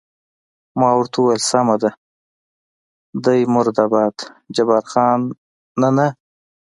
ما ورته وویل: سمه ده، دی مرده باد، جبار خان: نه، نه.